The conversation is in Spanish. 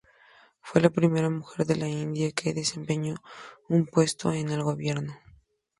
Fue la primera mujer de la India que desempeñó un puesto en el gobierno.